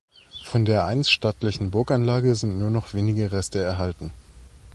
Von der einst stattlichen Burganlage sind nur noch wenige Reste erhalten.